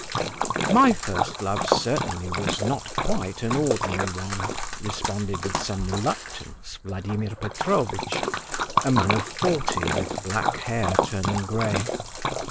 "My first love, certainly, was not quite an ordinary one," responded, with some reluctance, Vladimir Petrovitch, a man of forty, with black hair turning grey.